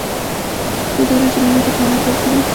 دوی د وریجو نوي تخمونه جوړ کړي.